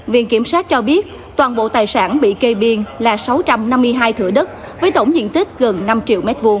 viện kiểm sát cho biết toàn bộ tài sản bị kê biên là sáu trăm năm mươi hai thửa đất với tổng diện tích gần năm triệu m hai